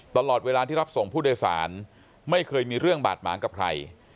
ตลอดเวลาที่รับส่งผู้โดยสารไม่เคยมีเรื่องบาดหมางกับใคร